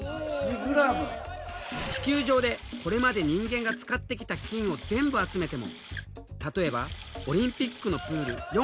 地球上でこれまで人間が使ってきた金を全部集めても例えばオリンピックのプール４杯にも満たない。